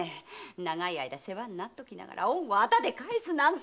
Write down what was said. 長い間世話になっときながら恩を仇で返すなんてね！